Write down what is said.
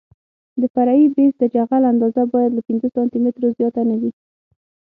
د فرعي بیس د جغل اندازه باید له پنځه سانتي مترو زیاته نه وي